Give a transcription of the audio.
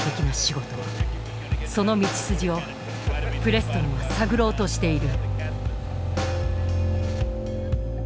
その道筋をプレストンは探ろうとしている。